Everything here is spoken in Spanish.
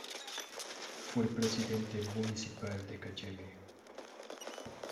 Fue Presidente Municipal de Cajeme.